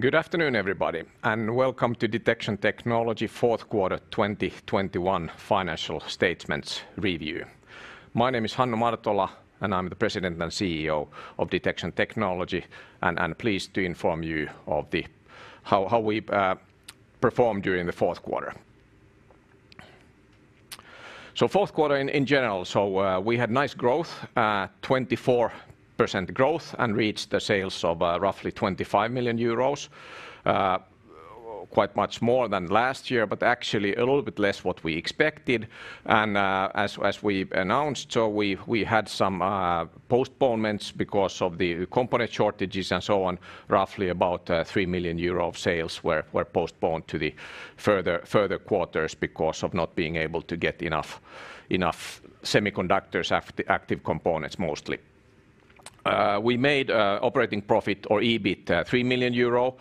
Good afternoon, everybody, and welcome to Detection Technology Q4 2021 financial statements review. My name is Hannu Martola, and I'm the president and CEO of Detection Technology and pleased to inform you of how we performed during the Q4. Q4 in general, we had nice growth, 24% growth and reached the sales of roughly 25 million euros, quite much more than last year, but actually a little bit less what we expected. As we announced, we had some postponements because of the component shortages and so on, roughly about 3 million euro of sales were postponed to the further quarters because of not being able to get enough semiconductors active components mostly. We made operating profit or EBIT, 3 million euro.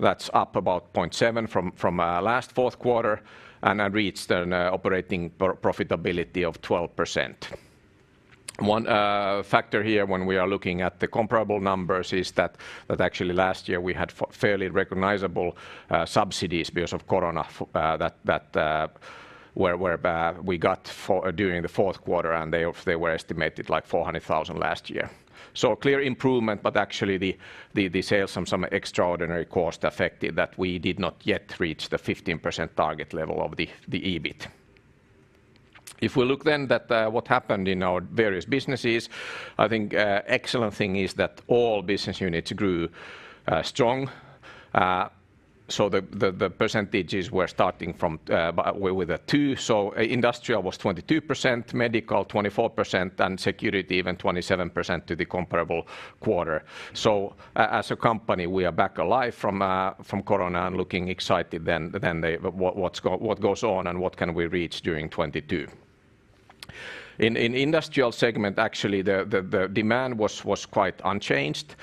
That's up about 0.7 from last Q4 and then reached an operating profitability of 12%. One factor here when we are looking at the comparable numbers is that actually last year we had fairly recognizable subsidies because of corona that we got during the Q4, and they were estimated like 400,000 last year. Clear improvement, but actually the sales, some extraordinary costs affected that we did not yet reach the 15% target level of the EBIT. If we look at what happened in our various businesses, I think excellent thing is that all business units grew strong. The percentages were starting from with a two. Industrial was 22%, medical 24%, and security even 27% to the comparable quarter. As a company, we are back alive from corona and looking more excited than what's going on and what can we reach during 2022. In industrial segment, actually the demand was quite unchanged.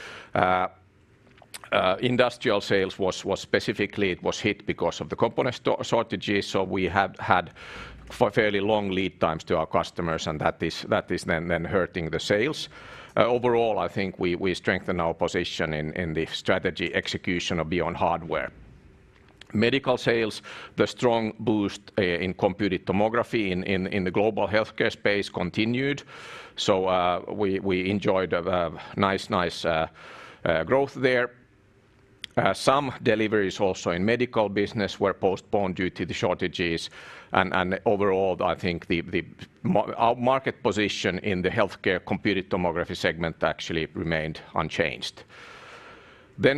Industrial sales was specifically hit because of the component shortages, so we have had fairly long lead times to our customers and that is then hurting the sales. Overall, I think we strengthen our position in the strategy execution of beyond hardware. Medical sales, the strong boost in computed tomography in the global healthcare space continued. We enjoyed a nice growth there. Some deliveries also in medical business were postponed due to the shortages and overall, I think our market position in the healthcare computed tomography segment actually remained unchanged.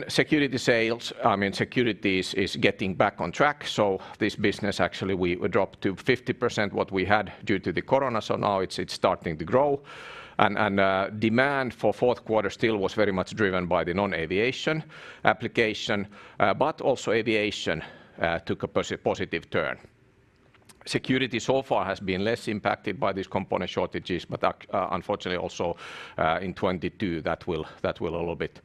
Security sales, I mean, security is getting back on track. This business actually we dropped to 50% what we had due to the corona. Now it's starting to grow and demand for Q4 still was very much driven by the non-aviation application, but also aviation took a positive turn. Security so far has been less impacted by these component shortages, but unfortunately also in 2022 that will a little bit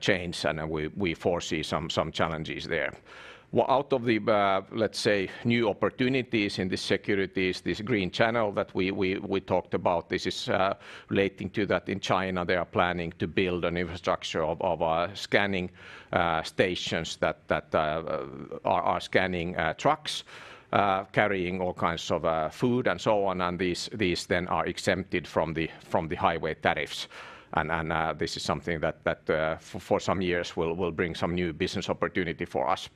change, and we foresee some challenges there. Well, out of the, let's say, new opportunities in the security, this Green Channel that we talked about, this is relating to that in China, they are planning to build an infrastructure of scanning stations that are scanning trucks carrying all kinds of food and so on. These then are exempted from the highway tariffs. This is something that for some years will bring some new business opportunity for us.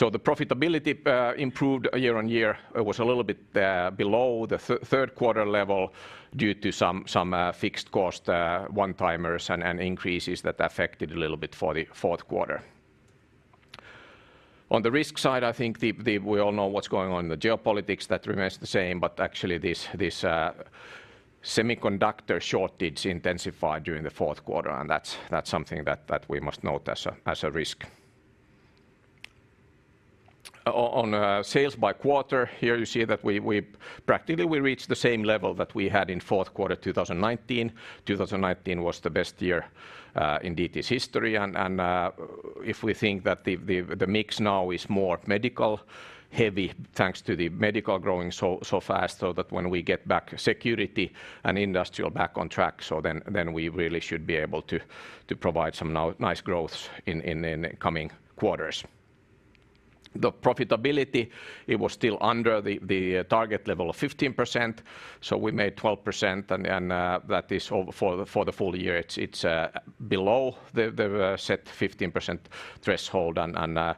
The profitability improved year-on-year. It was a little bit below the Q3 level due to some fixed cost one-timers and increases that affected a little bit for the Q4. On the risk side, I think we all know what's going on in the geopolitics that remains the same, but actually this semiconductor shortage intensified during the Q4, and that's something that we must note as a risk. On sales by quarter, here you see that we practically reached the same level that we had in Q4 2019. 2019 was the best year in DT's history and if we think that the mix now is more medical heavy thanks to the medical growing so fast that when we get back security and industrial back on track, then we really should be able to provide some nice growth in the coming quarters. The profitability, it was still under the target level of 15%, so we made 12% and that is for the full year it's below the set 15% threshold and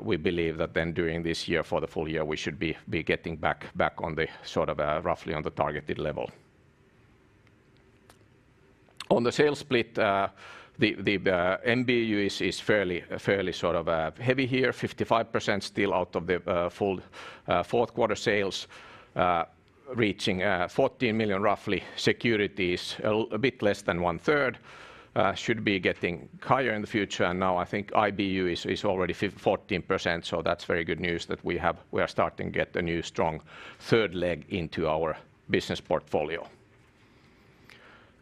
we believe that then during this year for the full year, we should be getting back on the sort of roughly on the targeted level. On the sales split, the NBU is fairly sort of heavy here, 55% still out of the full Q4 sales, reaching roughly 14 million. Security's a bit less than 1/3, should be getting higher in the future. Now I think IBU is already 14%, so that's very good news that we are starting to get a new strong third leg into our business portfolio.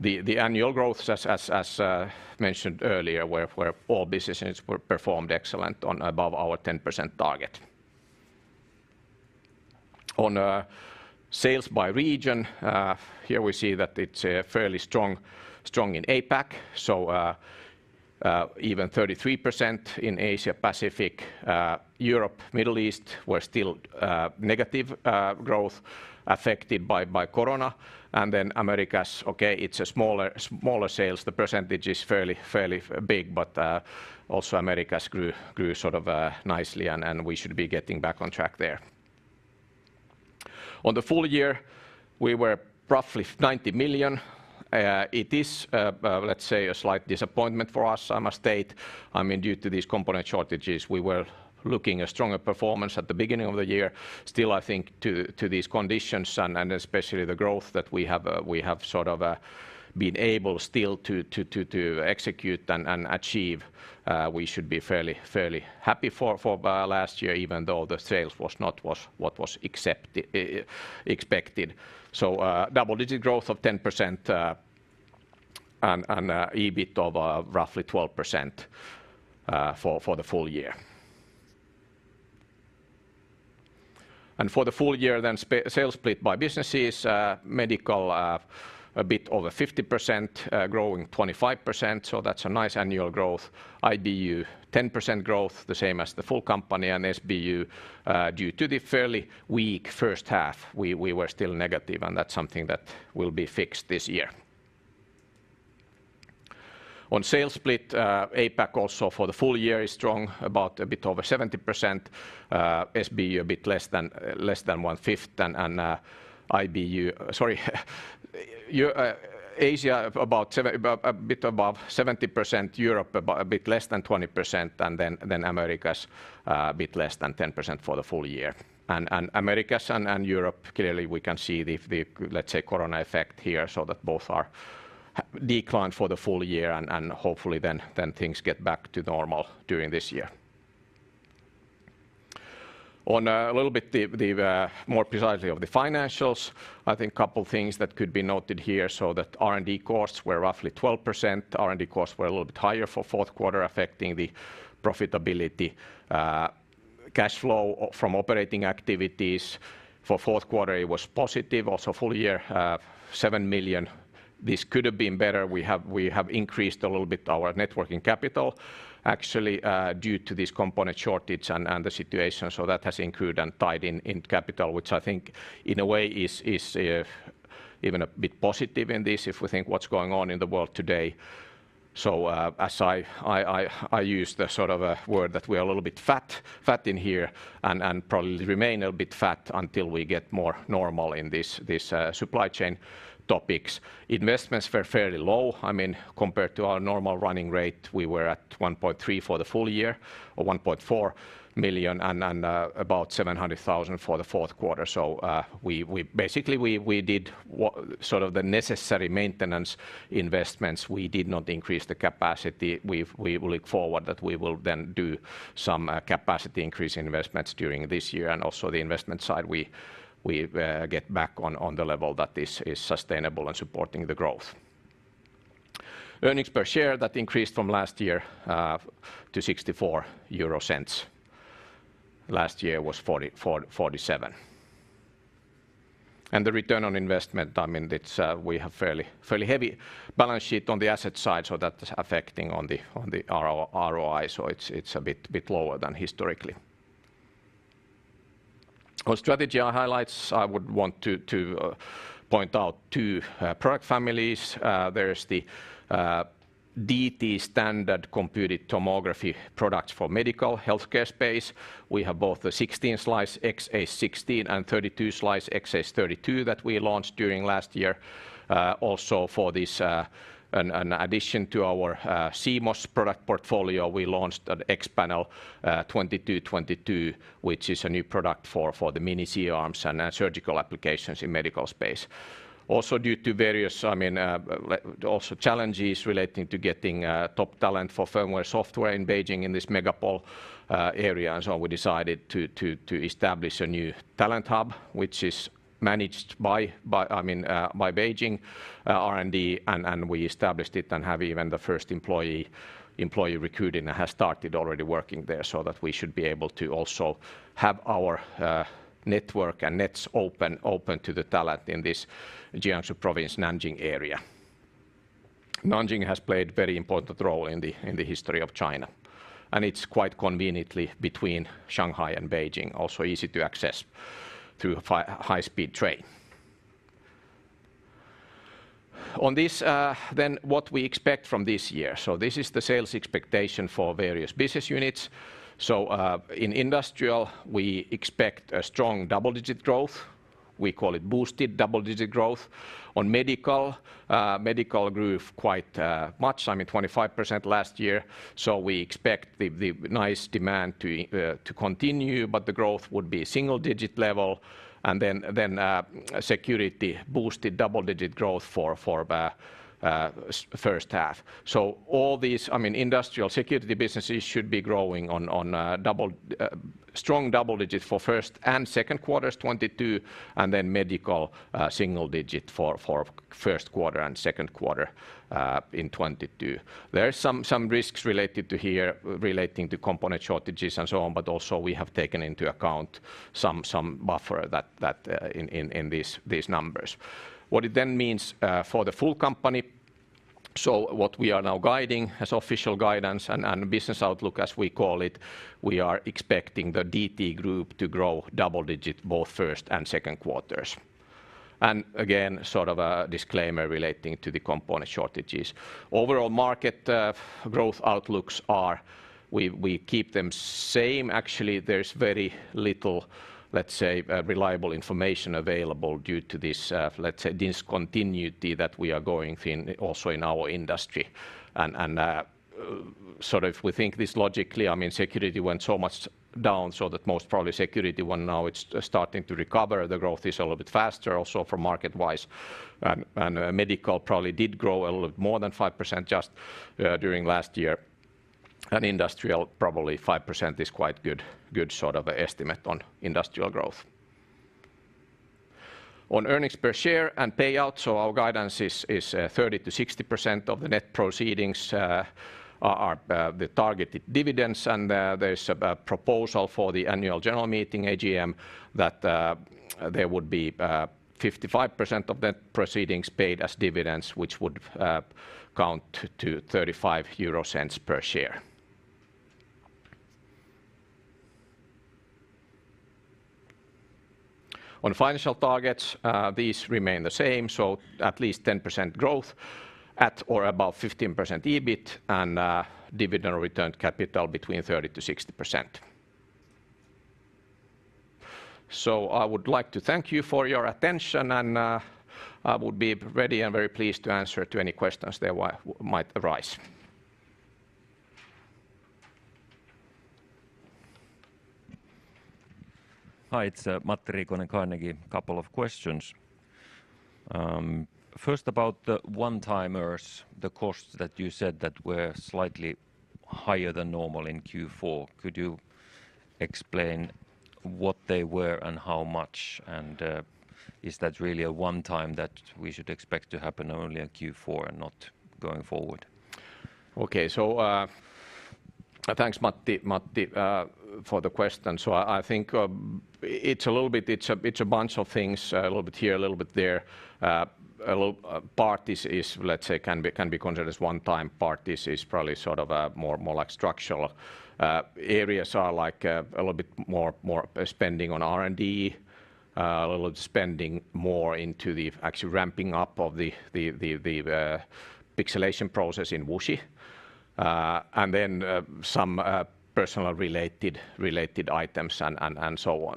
The annual growth as mentioned earlier, all businesses performed excellent on above our 10% target. On sales by region, here we see that it's fairly strong in APAC. Even 33% in Asia Pacific. Europe, Middle East were still negative growth affected by corona. Americas, okay, it's a smaller sales. The percentage is fairly big, but also Americas grew sort of nicely and we should be getting back on track there. On the full year, we were roughly 90 million. It is, let's say, a slight disappointment for us, I must state. I mean, due to these component shortages, we were looking for a stronger performance at the beginning of the year. Still, I think due to these conditions and especially the growth that we have, we have sort of been able still to execute and achieve. We should be fairly happy for last year even though the sales was not what was expected. Double-digit growth of 10% and EBIT of roughly 12% for the full year. For the full year then sales split by businesses, medical a bit over 50%, growing 25%, so that's a nice annual growth. IBU, 10% growth, the same as the full company, and SBU, due to the fairly weak first half, we were still negative and that's something that will be fixed this year. On sales split, APAC also for the full year is strong, about a bit over 70%. SBU a bit less than 1/5, and IBU. Asia about a bit above 70%, Europe a bit less than 20%, and then Americas, a bit less than 10% for the full year. Americas and Europe, clearly we can see the, let's say, corona effect here so that both declined for the full year and hopefully then things get back to normal during this year. A little bit more precisely on the financials, I think couple things that could be noted here so that R&D costs were roughly 12%. R&D costs were a little bit higher for Q4 affecting the profitability. Cash flow from operating activities for Q4, it was positive. Also, full year, 7 million. This could have been better. We have increased a little bit our net working capital actually, due to this component shortage and the situation. That has included and tied up in capital, which I think in a way is even a bit positive in this if we think what's going on in the world today. As I use the sort of word that we're a little bit fat in here and probably remain a bit fat until we get more normal in this supply chain topics. Investments were fairly low. I mean, compared to our normal running rate, we were at 1.3 for the full year or 1.4 million and about 700,000 for the Q4. We basically did the necessary maintenance investments. We did not increase the capacity. Looking forward, we will then do some capacity increase investments during this year. Also the investment side, we get back on the level that is sustainable and supporting the growth. Earnings per share, that increased from last year to 64 euro cents. Last year was 47. The return on investment, I mean, it's we have fairly heavy balance sheet on the asset side, so that's affecting on the ROI. It's a bit lower than historically. On strategy highlights, I would want to point out two product families. There is the DT standard computed tomography products for medical healthcare space. We have both the 16-slice X-ACE 16 and 32-slice X-ACE 32 that we launched during last year. Also for this, an addition to our CMOS product portfolio, we launched an X-Panel 2222s, which is a new product for the mini C-arms and surgical applications in medical space. Due to various, I mean, also challenges relating to getting top talent for firmware software in Beijing in this megapolitan area. We decided to establish a new talent hub, which is managed by, I mean, by Beijing R&D, and we established it and have even the first employee recruiting has started already working there so that we should be able to also have our network and nets open to the talent in this Jiangsu province, Nanjing area. Nanjing has played very important role in the history of China, and it's quite conveniently between Shanghai and Beijing, also easy to access through a high-speed train. On this, then what we expect from this year. This is the sales expectation for various business units. In industrial, we expect a strong double-digit growth. We call it boosted double-digit growth. In medical grew quite much, I mean, 25% last year. We expect the nice demand to continue, but the growth would be single-digit level. Then security boosted double-digit growth for first half. All these, I mean, industrial security businesses should be growing on strong double-digit for first and Q2s 2022. Medical single-digit for Q1 and Q2 in 2022. There are some risks related here relating to component shortages and so on, but also we have taken into account some buffer that in these numbers. What it then means for the full company, so what we are now guiding as official guidance and business outlook as we call it, we are expecting the DT group to grow double-digit both Q1 and Q2s. Again, sort of a disclaimer relating to the component shortages. Overall market growth outlooks, we keep them same. Actually, there's very little, let's say, reliable information available due to this, let's say, discontinuity that we are going through, also in our industry. Sort of we think this logically, I mean, security went so much down so that most probably security won't, now it's starting to recover. The growth is a little bit faster also for market-wise. Medical probably did grow a little more than 5% just during last year. Industrial, probably 5% is quite good, a good sort of estimate on industrial growth. On earnings per share and payouts, our guidance is 30%-60% of the net proceeds are the targeted dividends. There's a proposal for the annual general meeting, AGM, that there would be 55% of net proceeds paid as dividends, which would amount to 0.35 per share. On financial targets, these remain the same, at least 10% growth, at or above 15% EBIT, and dividend or return capital between 30%-60%. I would like to thank you for your attention, and I would be ready and very pleased to answer any questions that might arise. Hi, it's Matti Riikonen, Carnegie. Couple of questions. First about the one-timers, the costs that you said that were slightly higher than normal in Q4. Could you explain what they were and how much, and is that really a one time that we should expect to happen only in Q4 and not going forward? Okay. Thanks, Matti, for the question. I think it's a bunch of things, a little bit here, a little bit there. A little part is, let's say can be considered as one time. Part is probably sort of a more like structural. Areas are like a little bit more spending on R&D, a little spending more into the actual ramping up of the pixelation process in Wuxi, and then some personal related items and so on.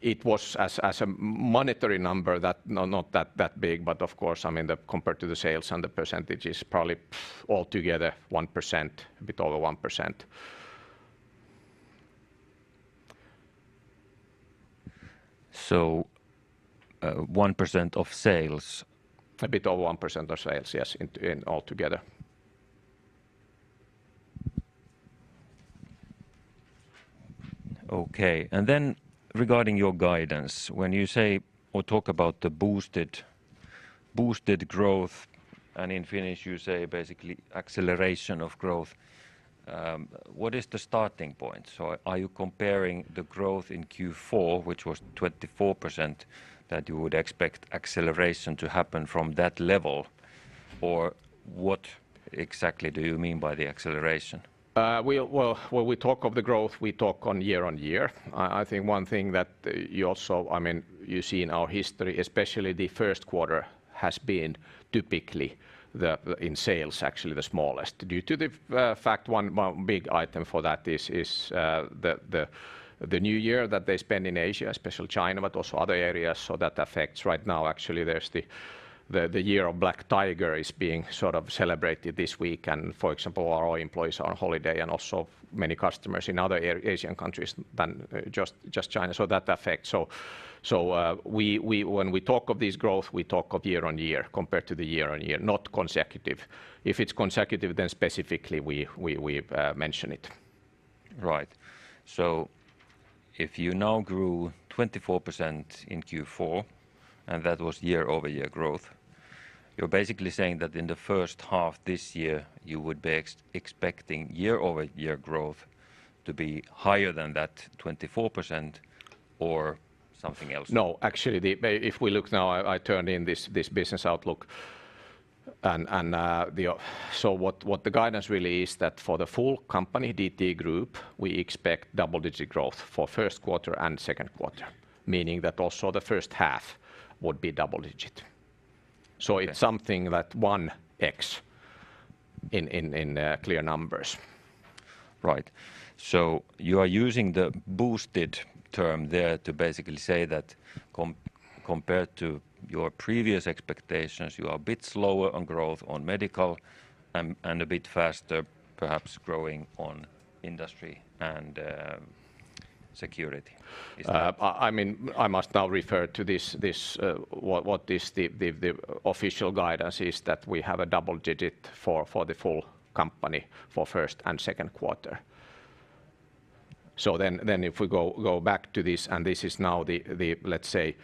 It was as a monetary number that no, not that big, but of course, I mean, compared to the sales and the percentages, probably altogether 1%, a bit over 1%. 1% of sales? A bit over 1% of sales, yes, in altogether. Okay. Regarding your guidance, when you say or talk about the boosted growth, and in Finnish, you say basically acceleration of growth, what is the starting point? So are you comparing the growth in Q4, which was 24%, that you would expect acceleration to happen from that level? Or what exactly do you mean by the acceleration? Well, when we talk of the growth, we talk on year-on-year. I think one thing that you also, I mean, you see in our history, especially the Q1 has been typically the smallest in sales, actually. Due to the fact one big item for that is the new year that they spend in Asia, especially China, but also other areas, so that affects right now. Actually, the Year of the Water Tiger is being sort of celebrated this week, and for example, our employees are on holiday and also many customers in other Asian countries than just China, so that affects. When we talk of this growth, we talk of year-on-year, compared to the year-on-year, not consecutive. If it's consecutive, then specifically we mention it. Right. If you now grew 24% in Q4, and that was year-over-year growth, you're basically saying that in the first half this year, you would be expecting year-over-year growth to be higher than that 24% or something else? No. Actually, If we look now, I turned in this business outlook and what the guidance really is that for the full company, DT Group, we expect double-digit growth for Q1 and Q2, meaning that also the first half would be double-digit. It's something that 1x in clear numbers. Right. You are using the boosted term there to basically say that compared to your previous expectations, you are a bit slower on growth on medical and a bit faster perhaps growing on industry and security. Is that? I mean, I must now refer to this, what is the official guidance is that we have a double-digit for the full company for first and Q2. If we go back to this, and this is now the let's say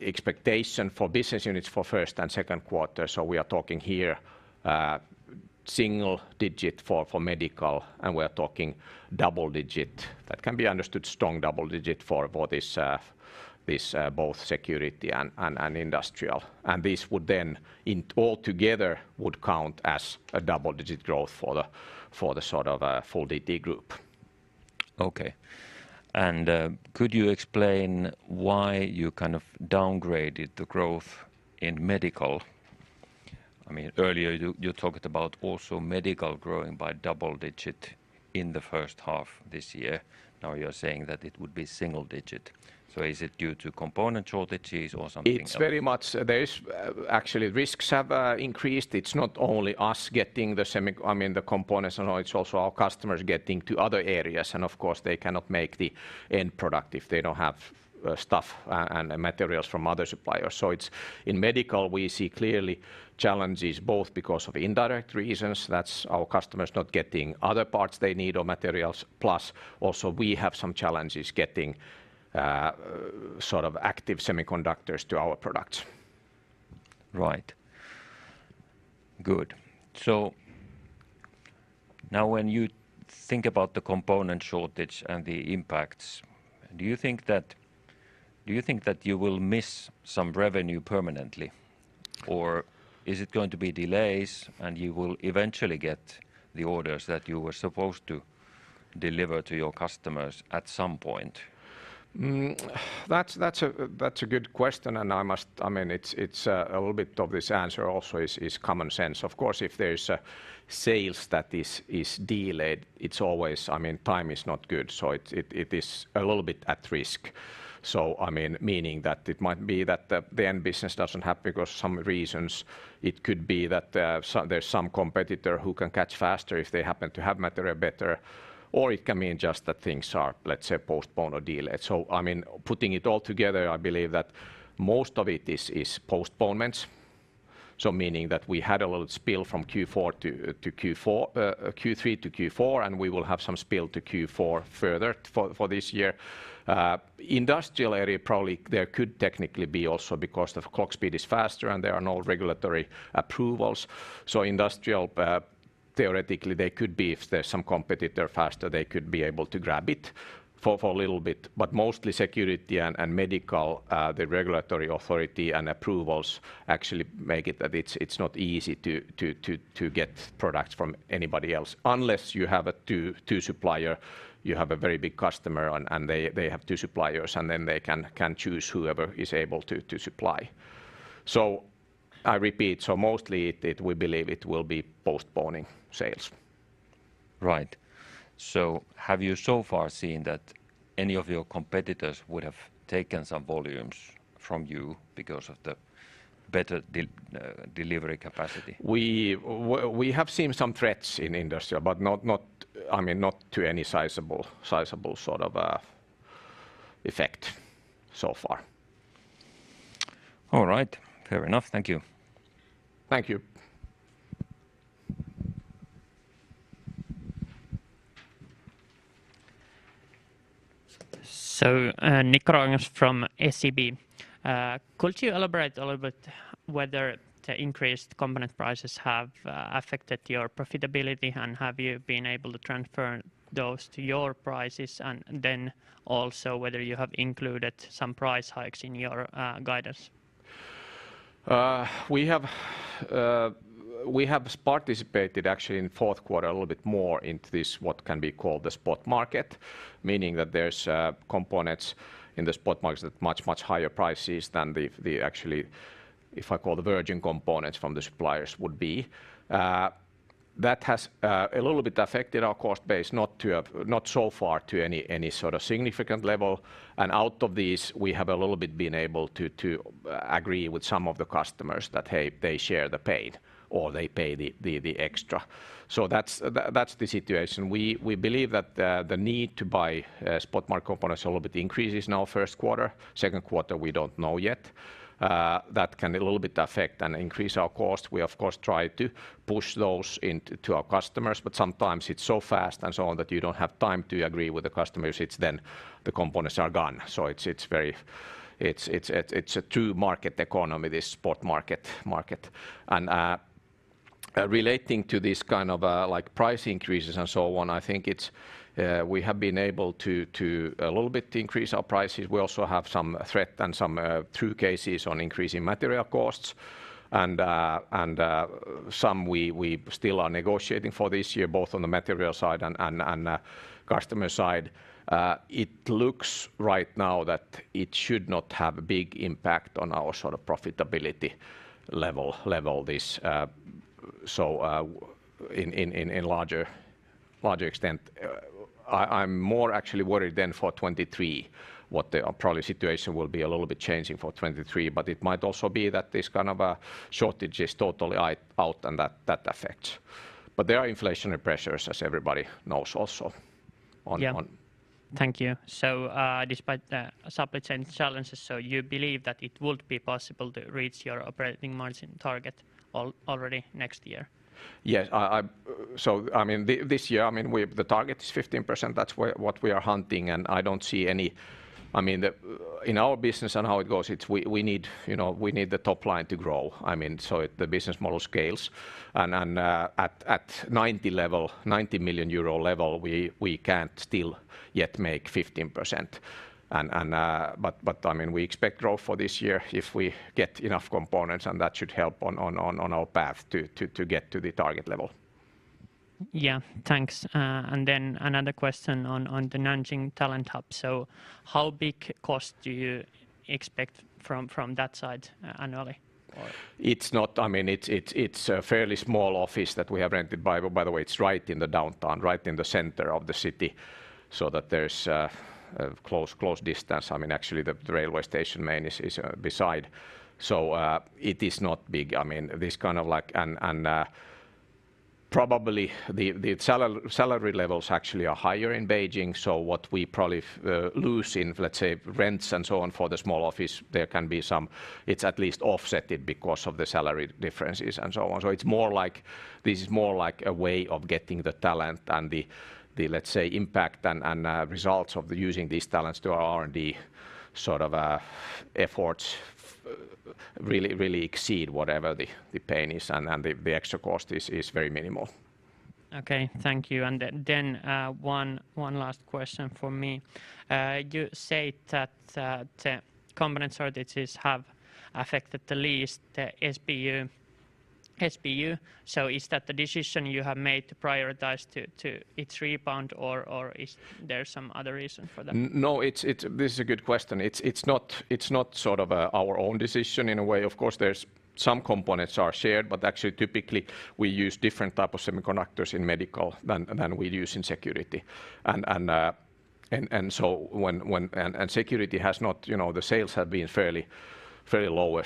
expectation for business units for first and Q2. We are talking here, single-digit for medical and we are talking double-digit. That can be understood strong double-digit for this both security and industrial. This would in all together count as a double-digit growth for the full DT group. Okay. Could you explain why you kind of downgraded the growth in medical? I mean, earlier you talked about also medical growing by double digit in the first half this year. Now you're saying that it would be single digit. Is it due to component shortages or something else? Actually, risks have increased. It's not only us getting the semi, I mean, the components and all, it's also our customers getting to other areas. Of course, they cannot make the end product if they don't have stuff and materials from other suppliers. In medical, we see clearly challenges both because of indirect reasons, that's our customers not getting other parts they need or materials, plus also we have some challenges getting sort of active semiconductors to our products. Right. Good. Now when you think about the component shortage and the impacts, do you think that you will miss some revenue permanently or is it going to be delays and you will eventually get the orders that you were supposed to deliver to your customers at some point? That's a good question, and I mean, it's a little bit of this answer also is common sense. Of course, if there's sales that is delayed, it's always, I mean, time is not good. So it is a little bit at risk. I mean, meaning that it might be that the end business doesn't happen because some reasons. It could be that there's some competitor who can catch faster if they happen to have material better, or it can mean just that things are, let's say, postponed or delayed. I mean, putting it all together, I believe that most of it is postponements. Meaning that we had a little spill from Q3 to Q4, and we will have some spill to Q4 further for this year. Industrial area probably there could technically be also because the clock speed is faster and there are no regulatory approvals. Industrial, theoretically they could be if there's some competitor faster, they could be able to grab it for a little bit. But mostly security and medical, the regulatory authority and approvals actually make it that it's not easy to get products from anybody else unless you have a two supplier, you have a very big customer and they have two suppliers and then they can choose whoever is able to supply. I repeat. Mostly it, we believe it will be postponing sales. Right. Have you so far seen that any of your competitors would have taken some volumes from you because of the better delivery capacity? We have seen some threats in industrial, but not, I mean, not to any sizable sort of effect so far. All right. Fair enough. Thank you. Thank you. from SEB. Could you elaborate a little bit whether the increased component prices have affected your profitability and have you been able to transfer those to your prices? Then also whether you have included some price hikes in your guidance. We have participated actually in Q4 a little bit more into this what can be called the spot market, meaning that there's components in the spot market that much higher prices than the actual, if I call the virgin components from the suppliers would be. That has a little bit affected our cost base not so far to any sort of significant level. Out of these we have a little bit been able to agree with some of the customers that, hey, they share the pain or they pay the extra. That's the situation. We believe that the need to buy spot market components a little bit increases now Q1. Q2, we don't know yet. That can a little bit affect and increase our cost. We of course try to push those into our customers, but sometimes it's so fast and so on that you don't have time to agree with the customers. It's then the components are gone. It's very a two-market economy, this spot market. Relating to this kind of like price increases and so on, I think it's we have been able to a little bit increase our prices. We also have some threat and some true cases on increasing material costs and some we still are negotiating for this year both on the material side and customer side. It looks right now that it should not have big impact on our sort of profitability level in larger extent. I'm more actually worried than for 2023 what the probable situation will be a little bit changing for 2023. It might also be that this kind of a shortage is totally ironed out and that affects. There are inflationary pressures as everybody knows also on Yeah. Thank you. Despite the supply chain challenges, you believe that it would be possible to reach your operating margin target already next year? Yes. I mean, this year, I mean, we have the target is 15%. That's what we are hunting, and I don't see any. I mean, in our business and how it goes, it's we need, you know, the top line to grow, I mean, so the business model scales. At 90 million euro level, we can't still yet make 15%. I mean, we expect growth for this year if we get enough components, and that should help on our path to get to the target level. Yeah. Thanks. Another question on the Nanjing talent hub. How big cost do you expect from that side annually? Or- I mean, it's a fairly small office that we have rented. By the way, it's right in the downtown, right in the center of the city, so that there's close distance. I mean, actually the main railway station is beside. It is not big. I mean, this kind of like probably the salary levels actually are higher in Beijing, so what we probably lose in, let's say, rents and so on for the small office, there can be some. It's at least offset because of the salary differences and so on. It's more like a way of getting the talent and the, let's say, impact and results of using these talents to our R&D efforts really really exceed whatever the pay is and the extra cost is very minimal. Okay. Thank you. One last question from me. You said that the component shortages have affected the SBU the least. Is that the decision you have made to prioritize its rebound or is there some other reason for that? No, this is a good question. It's not sort of our own decision in a way. Of course, there's some components are shared, but actually typically we use different type of semiconductors in medical than we use in security. Security has not, you know, the sales have been fairly low.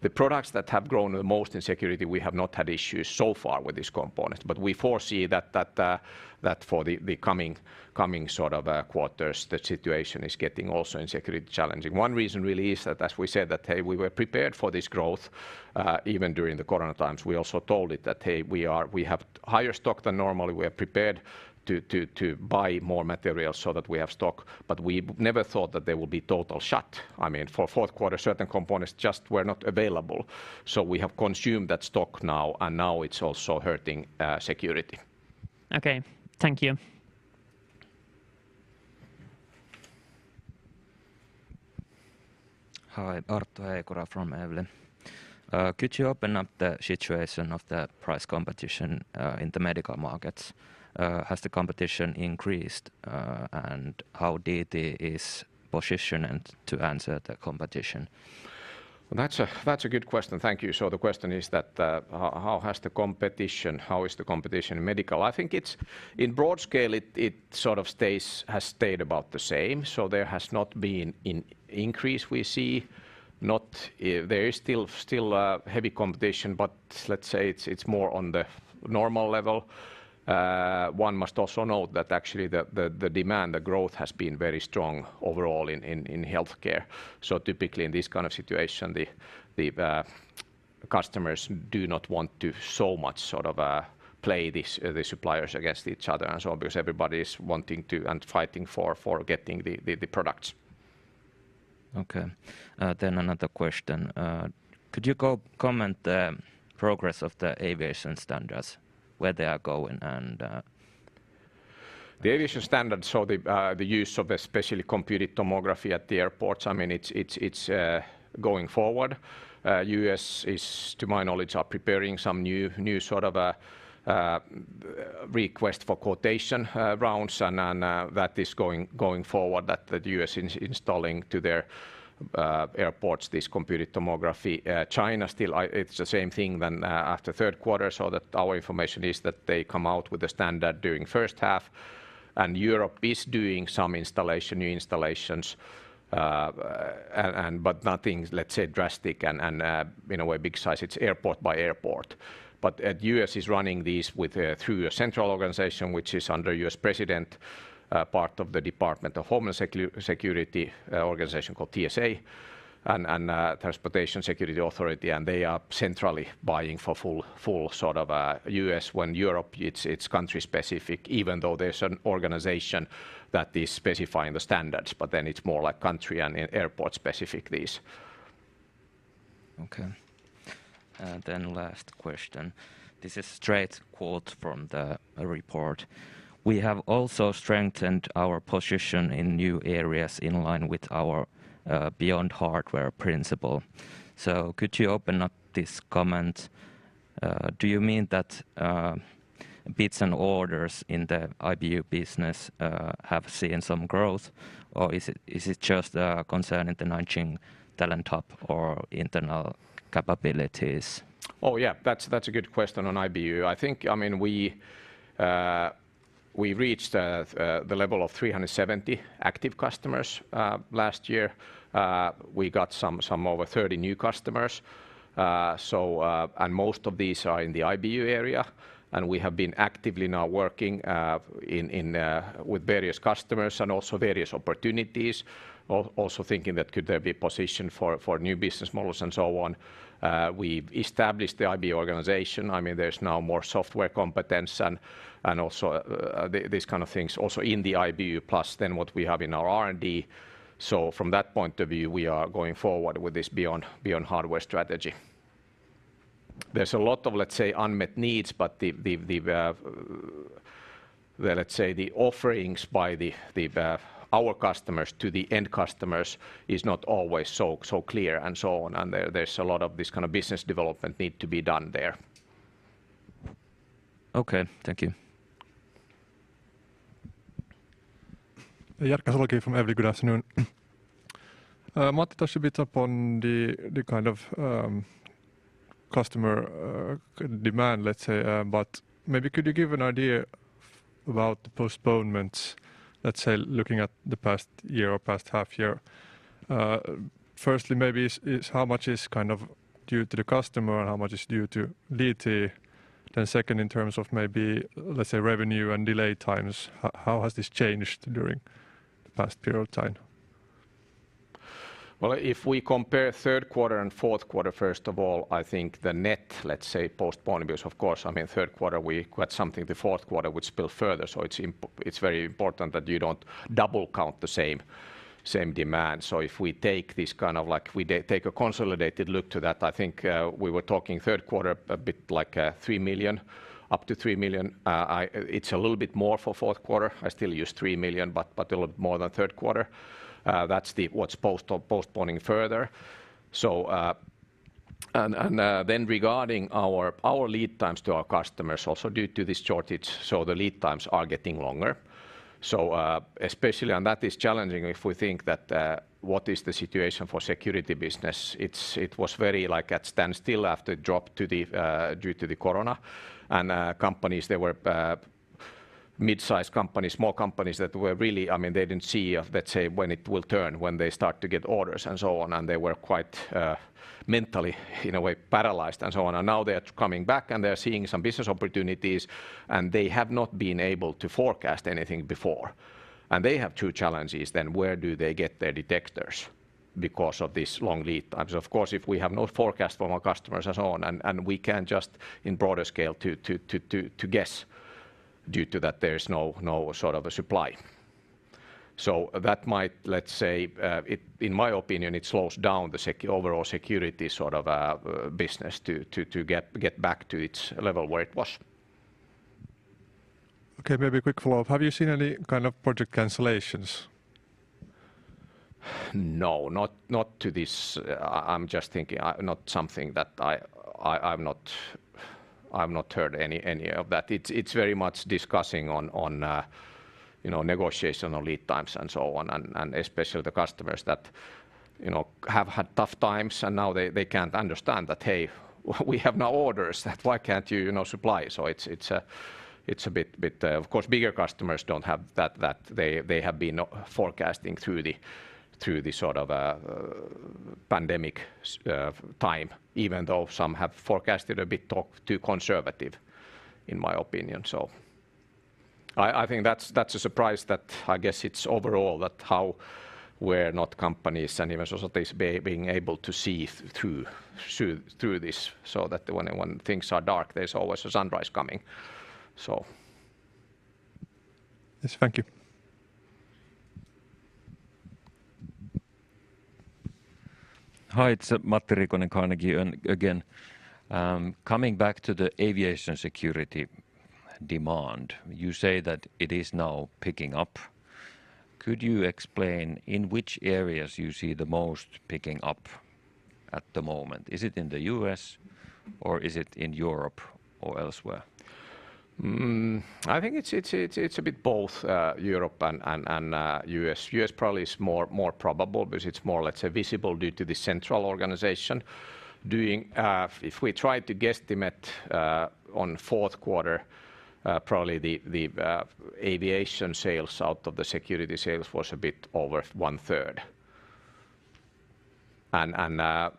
The products that have grown the most in security, we have not had issues so far with these components. We foresee that for the coming sort of quarters, the situation is getting also in security challenging. One reason really is that, as we said, hey, we were prepared for this growth even during the corona times. We also told it that, "Hey, we have higher stock than normal. We are prepared to buy more materials so that we have stock." We never thought that there will be total shutdown. I mean, for Q4, certain components just were not available. We have consumed that stock now, and now it's also hurting security. Okay. Thank you. Hi. Arttu Heikura from Inderes. Could you open up the situation of the price competition in the medical markets? Has the competition increased? How DT is positioned and to answer the competition? That's a good question. Thank you. The question is that how is the competition in medical? I think in broad scale it has stayed about the same. There has not been increase we see. There is still heavy competition, but let's say it's more on the normal level. One must also note that actually the demand, the growth has been very strong overall in healthcare. Typically in this kind of situation, customers do not want to so much sort of play the suppliers against each other and so on because everybody's wanting to and fighting for getting the products. Okay. Another question. Could you comment on the progress of the aviation standards, where they are going and, The aviation standards, the use of especially computed tomography at the airports, I mean, it's going forward. U.S. is, to my knowledge, are preparing some new sort of a request for quotation rounds and that is going forward that U.S. installing to their airports this computed tomography. China still, it's the same thing than after Q3, so that our information is that they come out with a standard during first half. Europe is doing some installation, new installations, but nothing, let's say, drastic and in a way big size. It's airport by airport. U.S. is running these with through a central organization which is under U.S. President, part of the Department of Homeland Security, an organization called TSA and Transportation Security Administration, and they are centrally buying for full sort of U.S. When Europe, it's country-specific, even though there's an organization that is specifying the standards, but then it's more like country and airport specific, these. Okay. Last question. This is straight quote from the report: "We have also strengthened our position in new areas in line with our beyond hardware principle." Could you open up this comment? Do you mean that bids and orders in the IBU business have seen some growth, or is it just concerning the Nanjing talent hub or internal capabilities? Oh, yeah. That's a good question on IBU. I think, I mean, we reached the level of 370 active customers last year. We got some over 30 new customers. Most of these are in the IBU area. We have been actively now working with various customers and also various opportunities. Also thinking that could there be a position for new business models and so on. We've established the IBU organization. I mean, there's now more software competence and also these kind of things also in the IBU plus then what we have in our R&D. From that point of view, we are going forward with this beyond hardware strategy. There's a lot of, let's say, unmet needs, but let's say, the offerings by our customers to the end customers is not always so clear and so on. There's a lot of this kind of business development need to be done there. Okay. Thank you. Ville Savolainen from EVLI. Good afternoon. Matti touched a bit upon the kind of customer demand, let's say. Maybe could you give an idea about postponements, let's say, looking at the past year or past half year? Firstly, maybe how much is kind of due to the customer and how much is due to lead time? Second, in terms of maybe, let's say, revenue and delay times, how has this changed during the past period of time? Well, if we compare Q3 and Q4, first of all, I think the net, let's say, postponement, because of course, I mean, Q3 we got something the Q4 would spill further. It's very important that you don't double count the same demand. If we take this kind of like take a consolidated look to that, I think we were talking Q3 a bit like 3 million, up to 3 million. It's a little bit more for Q4. I still use 3 million but a little more than Q3. That's what's postponing further. Then regarding our lead times to our customers also due to this shortage. The lead times are getting longer. Especially on that is challenging if we think that, what is the situation for security business. It was very like at standstill after drop to the, due to the corona. Companies they were, mid-sized companies, small companies that were really, I mean, they didn't see, let's say, when it will turn, when they start to get orders and so on, and they were quite, mentally, in a way, paralyzed and so on. Now they are coming back and they're seeing some business opportunities, and they have not been able to forecast anything before. They have two challenges then where do they get their detectors because of this long lead times. Of course, if we have no forecast from our customers and so on, and we can't just in broader scale to guess due to that there's no sort of a supply. That might, let's say, in my opinion, it slows down the overall security sort of business to get back to its level where it was. Okay, maybe a quick follow-up. Have you seen any kind of project cancellations? No, not to this. I'm just thinking. Not something that I. I've not heard any of that. It's very much discussing on, you know, negotiation on lead times and so on. Especially the customers that, you know, have had tough times and now they can't understand that, "Hey, we have no orders. Why can't you know, supply?" It's a bit. Of course, bigger customers don't have that. They have been forecasting through the sort of pandemic time, even though some have forecasted a bit too conservative, in my opinion. I think that's a surprise that I guess it's overall that how we run companies and even societies being able to see through this, so that when things are dark, there's always a sunrise coming. Yes. Thank you. Hi. It's Matti Riikonen, Carnegie again. Coming back to the aviation security demand, you say that it is now picking up. Could you explain in which areas you see the most picking up at the moment? Is it in the U.S. or is it in Europe or elsewhere? I think it's a bit both Europe and U.S. U.S. probably is more probable because it's more, let's say, visible due to the central organization. If we try to guesstimate on Q4, probably the aviation sales out of the security sales was a bit over 1/3.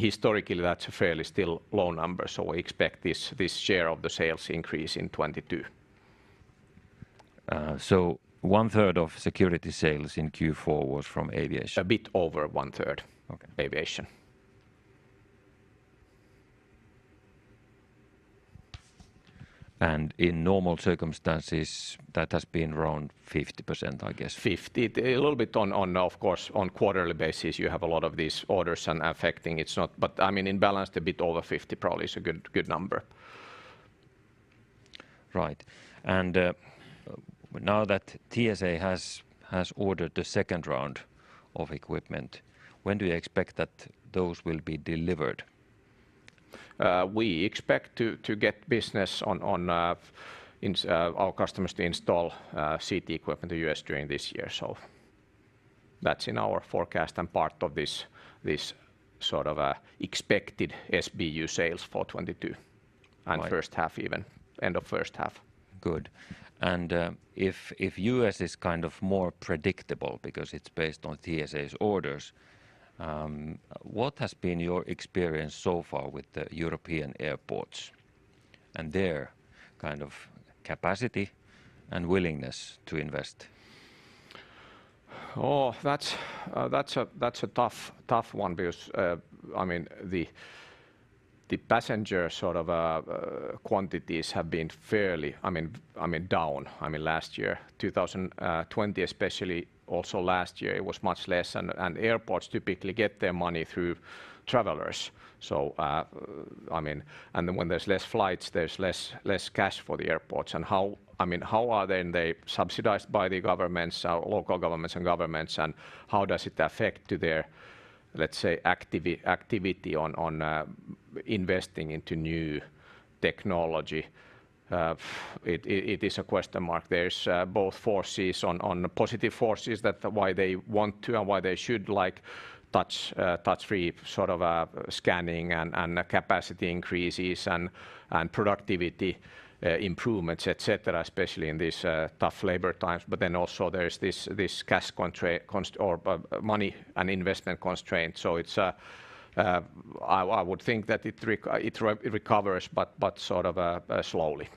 Historically, that's fairly still low number. We expect this share of the sales increase in 2022. 1/3 of security sales in Q4 was from aviation? A bit over 1/3. Okay aviation. In normal circumstances, that has been around 50%, I guess. 50. Of course, on quarterly basis, you have a lot of these orders and affecting it's not. I mean, in balance, a bit over 50 probably is a good number. Right. Now that TSA has ordered the second round of equipment, when do you expect that those will be delivered? We expect to get business from our customers to install CT equipment in the U.S. during this year. That's in our forecast and part of this sort of expected SBU sales for 2022. Right. First half even. End of first half. Good. If U.S. is kind of more predictable because it's based on TSA's orders, what has been your experience so far with the European airports and their kind of capacity and willingness to invest? Oh, that's a tough one because the passenger quantities have been fairly down. Last year, 2020 especially, also last year it was much less. Airports typically get their money through travelers. When there's less flights, there's less cash for the airports. How are they subsidized by the governments, local governments and governments and how does it affect their activity on investing into new technology? It is a question mark. There's both forces on the positive forces that's why they want to and why they should, like, touch free sort of scanning and capacity increases and productivity improvements, et cetera, especially in these tough labor times. Also there's this cash constraint or budget money and investment constraint. It's I would think that it recovers but sort of slowly.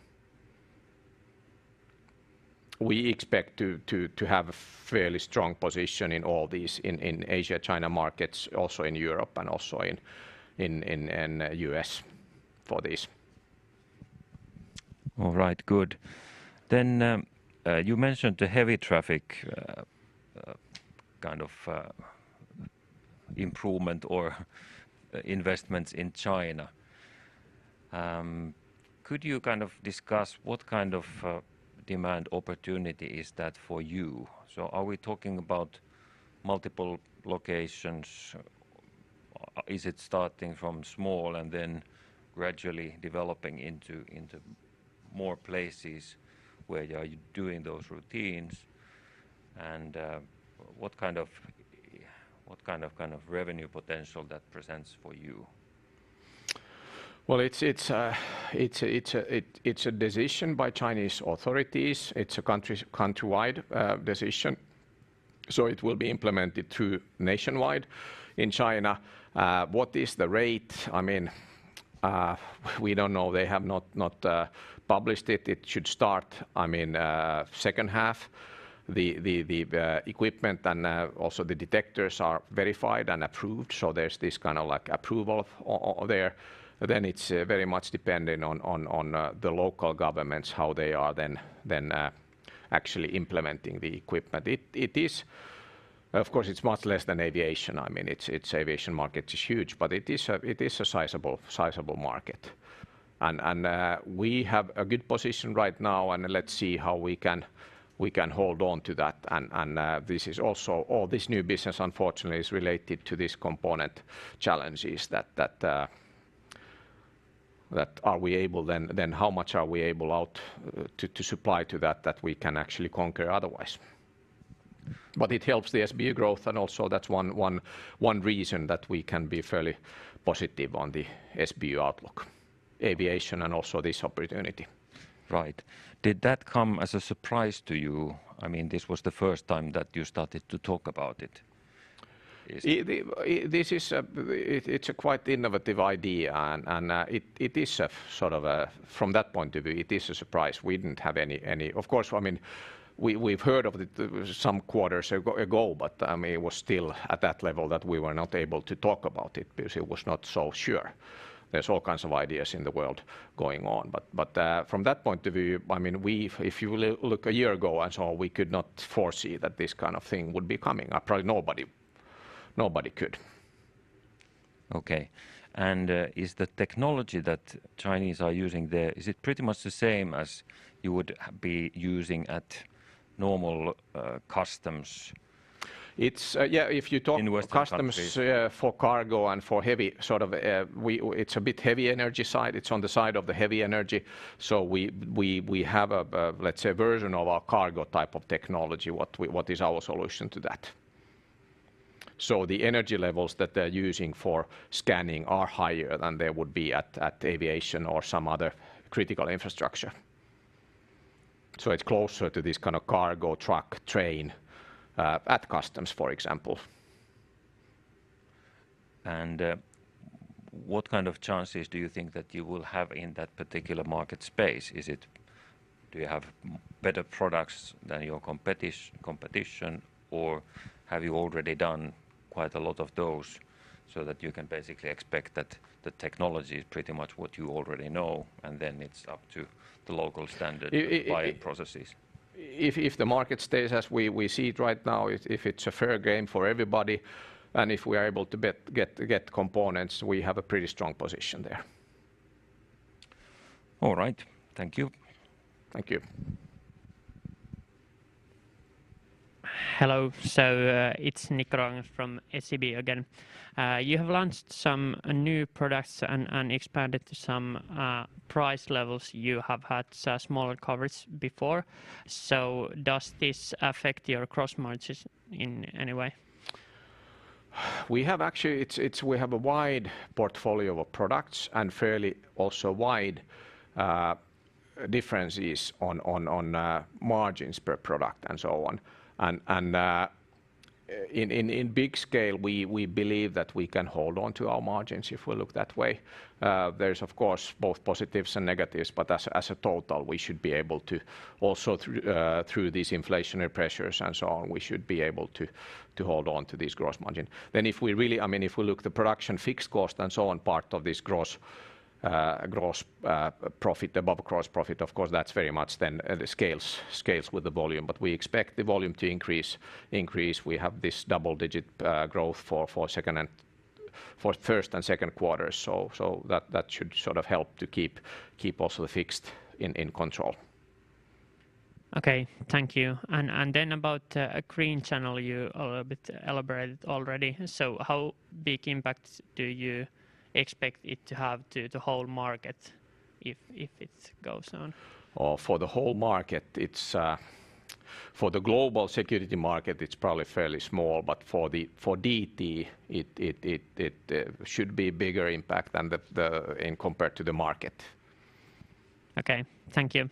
We expect to have a fairly strong position in all these in Asia, China markets, also in Europe and also in U.S. for this. All right. Good. You mentioned the heavy traffic, kind of, improvement or investments in China. Could you kind of discuss what kind of demand opportunity is that for you? Are we talking about multiple locations? Is it starting from small and then gradually developing into more places where you are doing those routines? What kind of revenue potential that presents for you? It's a decision by Chinese authorities. It's a country-wide decision, so it will be implemented nationwide in China. What is the rate? I mean, we don't know. They have not published it. It should start, I mean, second half. The equipment and also the detectors are verified and approved, so there's this kind of like approval over there. It's very much dependent on the local governments, how they are actually implementing the equipment. It is. Of course, it's much less than aviation. I mean, the aviation market is huge, but it is a sizable market. We have a good position right now and let's see how we can hold on to that. This is also all this new business unfortunately is related to this component challenges that we are able then how much are we able to supply to that we can actually conquer otherwise. It helps the SBU growth and also that's one reason that we can be fairly positive on the SBU outlook, aviation and also this opportunity. Right. Did that come as a surprise to you? I mean, this was the first time that you started to talk about it. This is a quite innovative idea and it is a sort of a. From that point of view, it is a surprise. We didn't have any. Of course, I mean, we've heard of it some quarters ago, but I mean, it was still at that level that we were not able to talk about it because it was not so sure. There's all kinds of ideas in the world going on. From that point of view, I mean, if you look a year ago and so on, we could not foresee that this kind of thing would be coming, and probably nobody could. Okay. Is the technology that Chinese are using there, is it pretty much the same as you would be using at normal customs- It's, yeah, if you talk- in Western countries. Customs, yeah, for cargo and for heavy sort of. We—it's a bit heavy energy side. It's on the side of the heavy energy. We have a, let's say a version of our cargo type of technology, what is our solution to that. The energy levels that they're using for scanning are higher than they would be at aviation or some other critical infrastructure. It's closer to this kind of cargo truck, train, at customs, for example. What kind of chances do you think that you will have in that particular market space? Do you have better products than your competition, or have you already done quite a lot of those so that you can basically expect that the technology is pretty much what you already know, and then it's up to the local standard- I-I-I- Buying processes? If the market stays as we see it right now, if it's a fair game for everybody and if we are able to get components, we have a pretty strong position there. All right. Thank you. Thank you. Hello. It's from SEB again. You have launched some new products and expanded to some price levels you have had smaller coverage before. Does this affect your gross margins in any way? We actually have a wide portfolio of products and fairly also wide differences on margins per product and so on. In big scale, we believe that we can hold on to our margins if we look that way. There's of course both positives and negatives, but as a total, we should be able to also through these inflationary pressures and so on, we should be able to hold on to this gross margin. If we really I mean, if we look the production fixed cost and so on, part of this gross profit above gross profit, of course, that's very much then the scales with the volume. We expect the volume to increase. We have this double-digit growth for Q1 and Q2, so that should sort of help to keep also the fixed costs under control. Okay, thank you. About Green Channel, you a little bit elaborated already. How big impact do you expect it to have to the whole market if it goes on? For the whole market, it's for the global security market. It's probably fairly small. For DT, it should be bigger impact than in comparison to the market. Okay, thank you.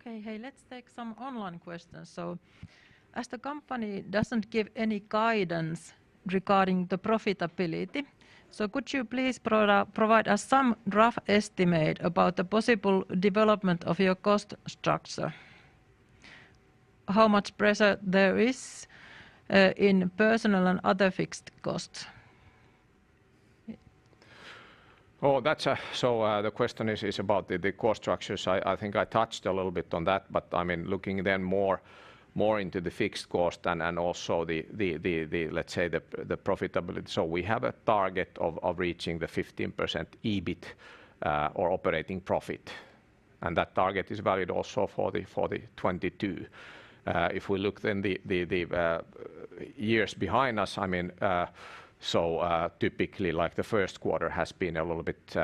Okay. Hey, let's take some online questions. As the company doesn't give any guidance regarding the profitability, so could you please provide us some rough estimate about the possible development of your cost structure? How much pressure there is, in personnel and other fixed costs? The question is about the cost structures. I think I touched a little bit on that, but I mean, looking then more into the fixed cost and also the profitability. We have a target of reaching the 15% EBIT or operating profit, and that target is valid also for the 2022. If we look then at the years behind us, I mean, typically, like the Q1 has been a little bit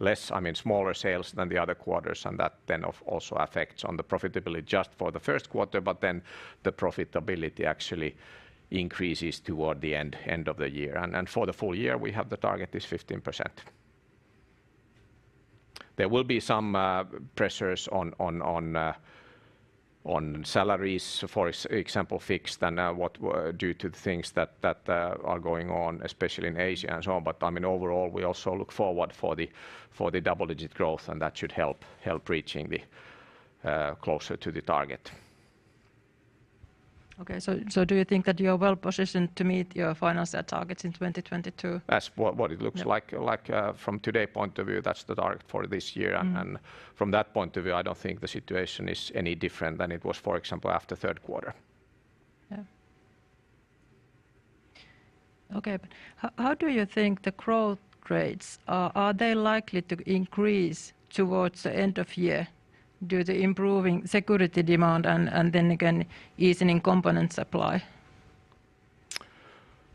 less, I mean, smaller sales than the other quarters, and that also affects on the profitability just for the Q1. The profitability actually increases toward the end of the year, and for the full year, we have the target is 15%. There will be some pressures on salaries, for example, due to the things that are going on, especially in Asia and so on. I mean, overall, we also look forward to the double-digit growth, and that should help reaching closer to the target. Do you think that you're well positioned to meet your financial targets in 2022? That's what it looks like. Yeah. Like, from today's point of view, that's the target for this year. Mm-hmm. From that point of view, I don't think the situation is any different than it was, for example, after Q3. Yeah. Okay. How do you think the growth rates are likely to increase towards the end of year due to improving security demand and then again, easing in component supply?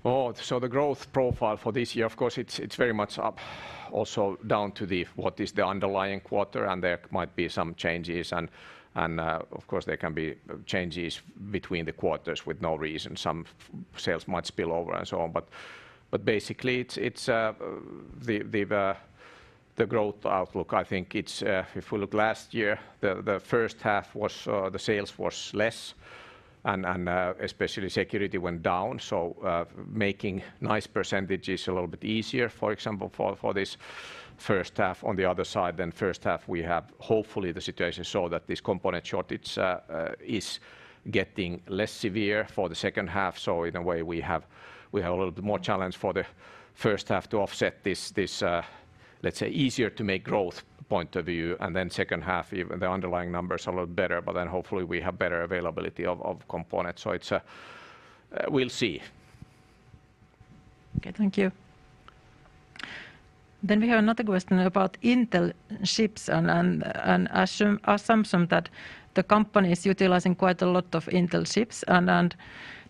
Oh, the growth profile for this year, of course, it's very much up, also down to what is the underlying quarter, and there might be some changes. Of course, there can be changes between the quarters with no reason. Some sales might spill over and so on. Basically, it's the growth outlook. I think it's if we look last year, the first half was the sales was less and especially security went down, so making nice percentage is a little bit easier, for example, for this first half. On the other side, then first half, we have hopefully the situation so that this component shortage is getting less severe for the second half. In a way, we have a little more challenge for the first half to offset this, let's say, easier to make growth point of view. Second half, even the underlying numbers are a lot better, but then hopefully we have better availability of components. We'll see. Okay, thank you. We have another question about Intel chips and assumption that the company is utilizing quite a lot of Intel chips.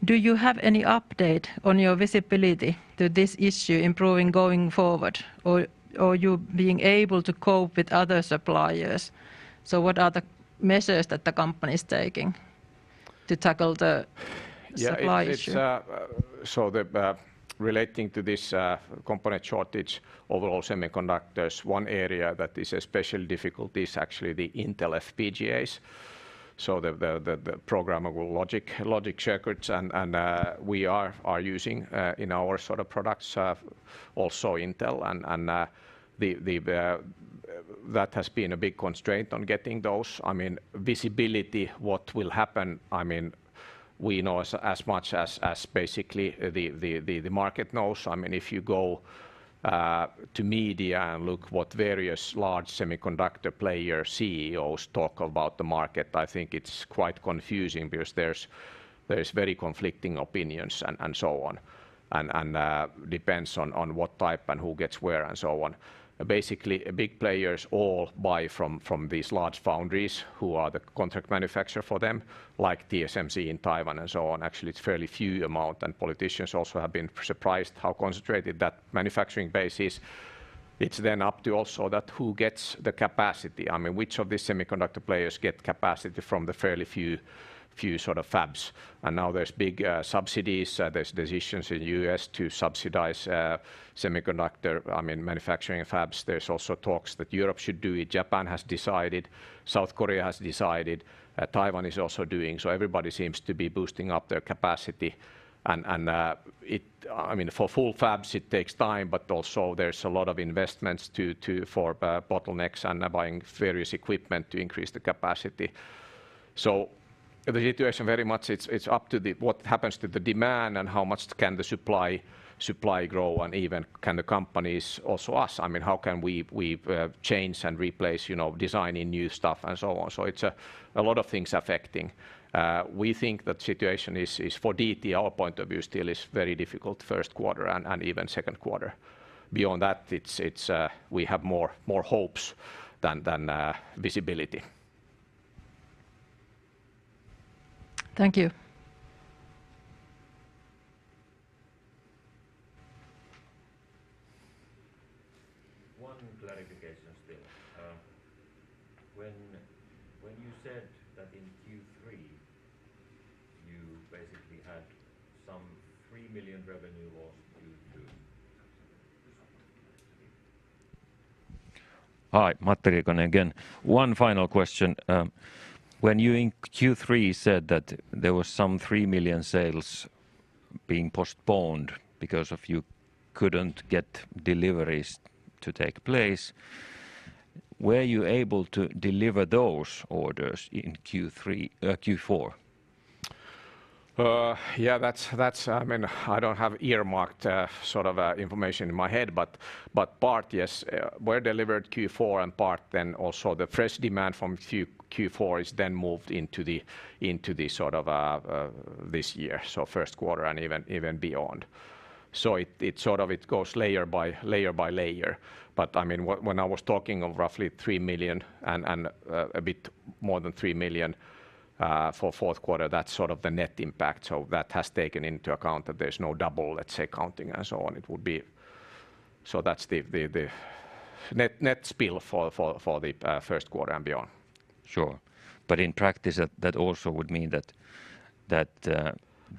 Do you have any update on your visibility to this issue improving going forward or you being able to cope with other suppliers? What are the measures that the company is taking to tackle the supply issue? It's relating to this component shortage, overall semiconductors. One area that is especially difficult is actually the Intel FPGAs, so the programmable logic circuits. We are using in our sort of products also Intel, and that has been a big constraint on getting those. I mean, visibility, what will happen. I mean, we know as much as basically the market knows. I mean, if you go to media and look what various large semiconductor players' CEOs talk about the market, I think it's quite confusing because there's very conflicting opinions and so on, and it depends on what type and who gets where and so on. Basically, big players all buy from these large foundries who are the contract manufacturer for them, like TSMC in Taiwan and so on. Actually, it's fairly few amount, and politicians also have been surprised how concentrated that manufacturing base is. It's then up to also that who gets the capacity, I mean, which of the semiconductor players get capacity from the fairly few sort of fabs. Now there's big subsidies, there's decisions in the U.S. to subsidize semiconductor, I mean, manufacturing fabs. There's also talks that Europe should do it. Japan has decided, South Korea has decided, Taiwan is also doing. Everybody seems to be boosting up their capacity and, I mean, for full fabs it takes time, but also there's a lot of investments for bottlenecks and buying various equipment to increase the capacity. The situation very much, it's up to what happens to the demand and how much can the supply grow and even can the companies, also us, I mean, how can we change and replace, you know, designing new stuff and so on. It's a lot of things affecting. We think the situation is for DT our point of view still is very difficult Q1 and even Q2. Beyond that it's we have more hopes than visibility. Thank you. One clarification still. When you said that in Q3 you basically had some 3 million revenue loss due to... Hi. Matti Riikonen again. One final question. When you in Q3 said that there was some 3 million sales being postponed because you couldn't get deliveries to take place, were you able to deliver those orders in Q4? Yeah, that's. I mean, I don't have earmarked sort of information in my head, but part yes were delivered Q4 and part then also the fresh demand from Q4 is then moved into the sort of this year, so Q1 and even beyond. It sort of goes layer by layer. I mean, when I was talking of roughly 3 million and a bit more than 3 million for Q4, that's sort of the net impact, so that has taken into account that there's no double, let's say, counting and so on. That's the net spillover for the Q1 and beyond. Sure. In practice that also would mean that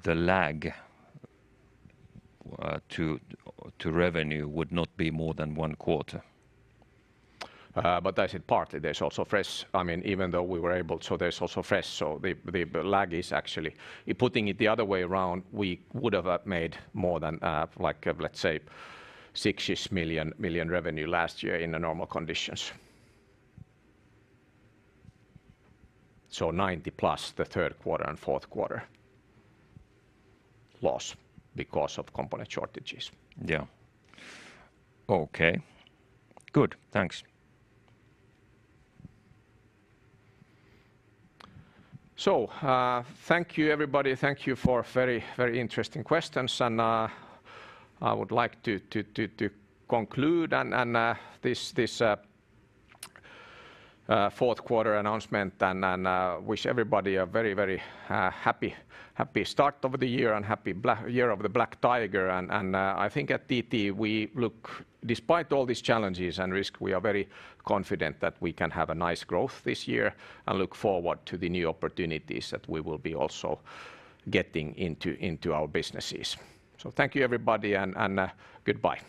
the lag to revenue would not be more than one quarter. That is partly. There's also fresh. I mean, even though we were able, there's also fresh. The lag is actually in putting it the other way around. We would have made more than, like, let's say 6 million revenue last year in the normal conditions. EUR 90 plus the Q3 and Q4 loss because of component shortages. Yeah. Okay. Good. Thanks. Thank you, everybody. Thank you for very, very interesting questions and I would like to conclude and this Q4 announcement and wish everybody a very happy start of the year and happy Year of the Water Tiger. I think at DT we look, despite all these challenges and risk, we are very confident that we can have a nice growth this year and look forward to the new opportunities that we will be also getting into our businesses. Thank you, everybody, and goodbye.